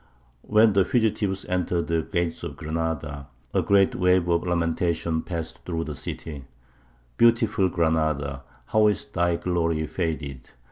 When the fugitives entered the gates of Granada a great wave of lamentation passed through the city: "Beautiful Granada, how is thy glory faded!